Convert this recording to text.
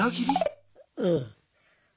うん。